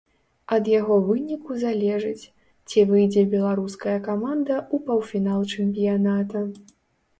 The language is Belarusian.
Ад яго выніку залежыць, ці выйдзе беларуская каманда ў паўфінал чэмпіяната.